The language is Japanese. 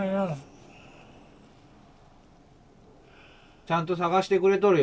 ちゃんと探してくれとるよ。